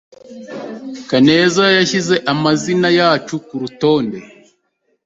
Kaneza yashyize amazina yacu kurutonde.